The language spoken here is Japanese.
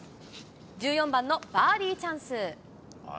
１４番のバーディーチャンス。